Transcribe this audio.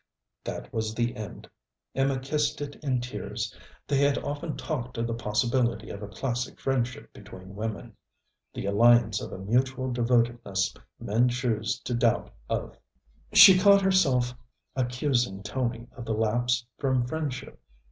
That was the end. Emma kissed it in tears. They had often talked of the possibility of a classic friendship between women, the alliance of a mutual devotedness men choose to doubt of. She caught herself accusing Tony of the lapse from friendship.